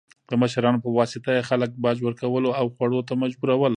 د مشرانو په واسطه یې خلک باج ورکولو او خوړو ته مجبورول.